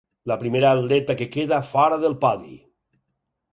La primera atleta que queda fora del podi.